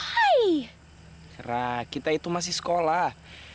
karena kita itu masih sekolah